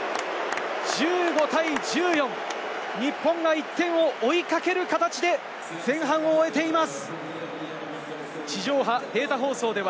１５対１４、日本が１点を追いかける形で前半を終えています。